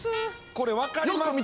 これ分かりますかな。